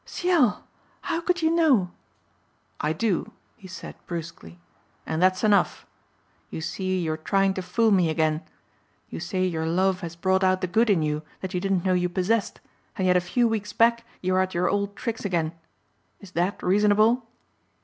"Ciel! How could you know?" "I do," he said brusquely, "and that's enough. You see you are trying to fool me again. You say your love has brought out the good in you that you didn't know you possessed and yet a few weeks back you are at your old tricks again. Is that reasonable?"